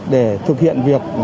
để thực hiện việc